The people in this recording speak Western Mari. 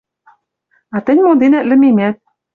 А тӹнь монденӓт лӹмемӓт.